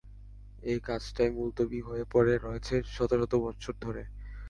এই কাজটা মুলতবি হয়ে পড়ে রয়েছে শত শত বৎসর ধরে।